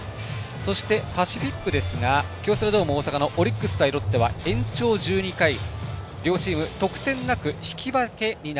そして、パシフィックですが京セラドーム大阪のオリックス対ロッテは延長１２回両チーム、得点なく引き分け。